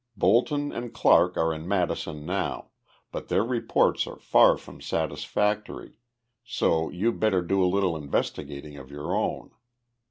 "Bolton and Clarke are in Madison now, but their reports are far from satisfactory, so you better do a little investigating of your own.